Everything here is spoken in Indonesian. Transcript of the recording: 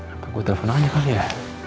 apa gue telepon ya kali ya